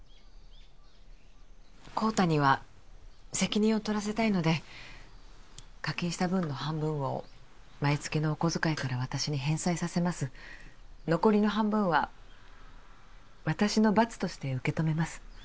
孝多には責任を取らせたいので課金した分の半分を毎月のお小遣いから私に返済させます残りの半分は私の罰として受け止めます